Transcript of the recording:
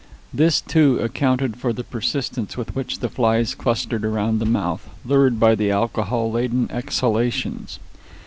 This, too, accounted for the persistence with which the flies clustered around the mouth, lured by the alcohol laden exhalations.